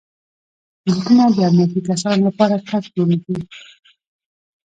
بوټونه د امنیتي کسانو لپاره کلک جوړېږي.